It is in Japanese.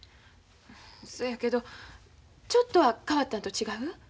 そやけどちょっとは変わったんと違う？